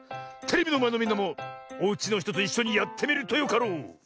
テレビのまえのみんなもおうちのひとといっしょにやってみるとよかろう。